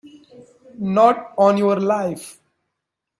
Not on your life!